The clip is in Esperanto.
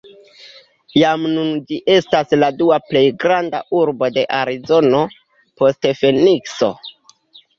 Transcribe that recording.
Jam nun ĝi estas la dua plej granda urbo de Arizono, post Fenikso.